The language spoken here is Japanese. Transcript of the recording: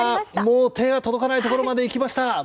もう手が届かないところまで行きました。